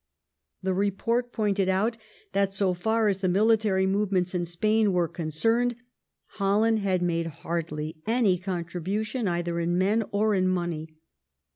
The report pointed out that, so far as the mili tary movements in Spain were concerned, Holland had made hardly any contribution either in men or in money.